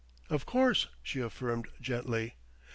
"Of course," she affirmed gently.